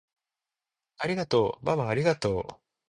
ありがとうままありがとう！